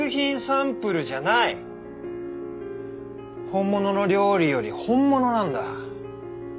本物の料理より本物なんだ。